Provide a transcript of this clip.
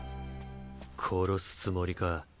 殺すつもりか。